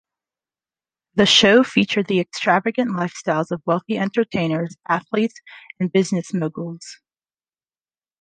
The show featured the extravagant lifestyles of wealthy entertainers, athletes and business moguls.